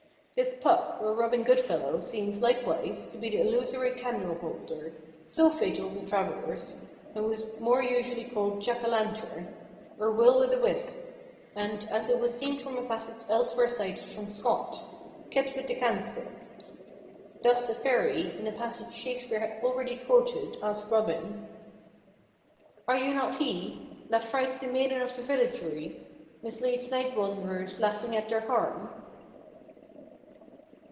This Puck, or Robin Good–fellow, seems, likewise, to be the illusory candle–holder, so fatal to travellers, and who is more usually called Jack–a–lantern, or Will–with–a–wisp; and, as it would seem from a passage elsewhere cited from Scot, Kit with the canstick. Thus a fairy, in a passage of Shakespeare already quoted, asks Robin— "... Are you not he That frights the maidens of the villagery, Misleads night–wanderers laughing at their harm?"